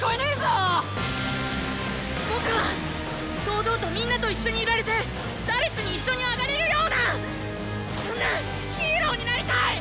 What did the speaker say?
堂々とみんなと一緒にいられて「４」に一緒に上がれるようなそんなっ悪魔になりたい！